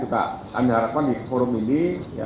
kami harapkan di forum ini